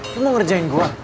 lo mau ngerjain gua